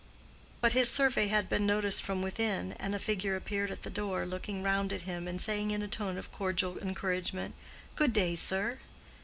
But his survey had been noticed from within, and a figure appeared at the door, looking round at him and saying in a tone of cordial encouragement, "Good day, sir."